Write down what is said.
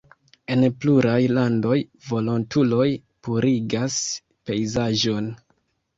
En pluraj landoj volontuloj purigas pejzaĝojn.